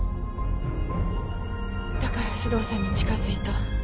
だから須藤さんに近づいた。